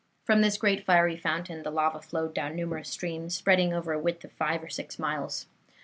From this great fiery fountain the lava flowed down in numerous streams, spreading over a width of five or six miles.